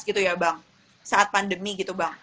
gitu ya bang saat pandemi gitu bang